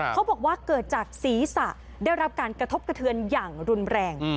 เขาบอกว่าเกิดจากศีรษะได้รับการกระทบกระเทือนอย่างรุนแรง